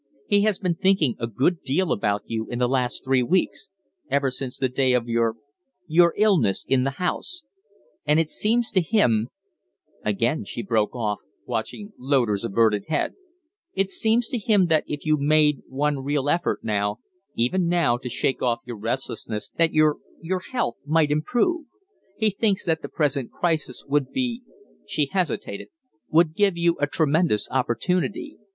He has been thinking a good deal about you in the last three weeks ever since the day of your your illness in the House; and it seems to him," again she broke off, watching Loder's averted head "it seems to him that if you made one real effort now, even now, to shake off your restlessness, that your your health might improve. He thinks that the present crisis would be" she hesitated "would give you a tremendous opportunity.